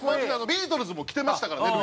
ビートルズも着てましたからね